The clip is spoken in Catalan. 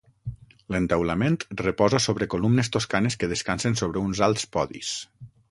L'entaulament reposa sobre columnes toscanes que descansen sobre uns alts podis.